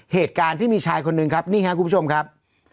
เหตุการณ์ที่มีชายคนหนึ่งครับนี่ครับคุณผู้ชมครับ